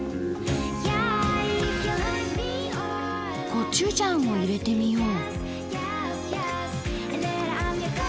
コチュジャンを入れてみよう。